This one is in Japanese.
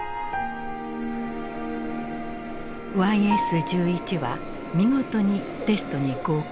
ＹＳ−１１は見事にテストに合格。